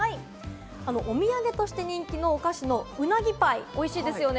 お土産として人気のお菓子のうなぎパイ、おいしいですよね。